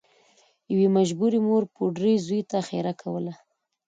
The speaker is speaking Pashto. یوې مجبورې مور پوډري زوی ته ښیرا کوله